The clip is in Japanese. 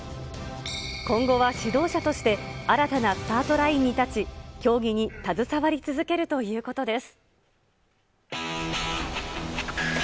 今後は指導者として、新たなスタートラインに立ち、競技に携わり続けるということです。